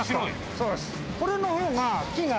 そうです。